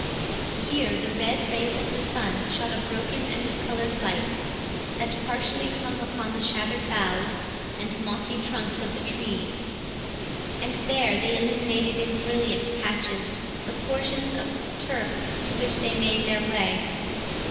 Here the red rays of the sun shot a broken and discoloured light, that partially hung upon the shattered boughs and mossy trunks of the trees, and there they illuminated in brilliant patches the portions of turf to which they made their way.